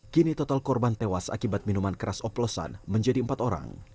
kini total korban tewas akibat minuman keras oplosan menjadi empat orang